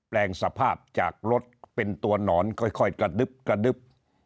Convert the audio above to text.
แปลงสภาพจากรถเป็นตัวหนอนค่อยกระดึ๊บกระดึ๊บ